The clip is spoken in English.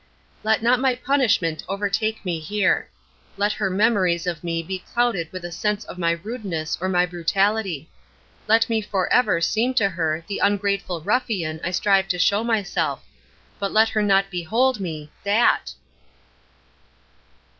Let not my punishment overtake me here. Let her memories of me be clouded with a sense of my rudeness or my brutality; let me for ever seem to her the ungrateful ruffian I strive to show myself but let her not behold me that!